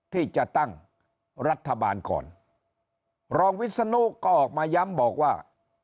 ที่จะตั้งรัฐบาลก่อนรองวิศนุก็ออกมาย้ำบอกว่า